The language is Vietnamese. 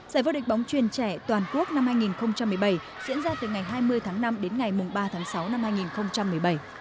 giải vô địch bóng truyền trẻ toàn quốc năm hai nghìn một mươi bảy diễn ra từ ngày hai mươi tháng năm đến ngày ba tháng sáu năm hai nghìn một mươi bảy